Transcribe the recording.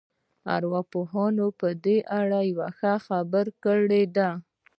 ارواپوهانو په دې اړه يوه ښه خبره کړې ده.